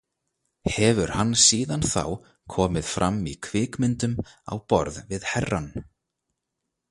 Hefur hann síðan þá komið fram í kvikmyndum á borð við Herrann.